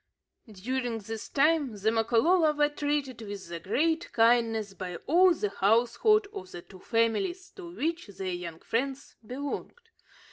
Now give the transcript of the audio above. During this time, the Makololo were treated with the greatest kindness by all the household of the two families to which their young friends belonged.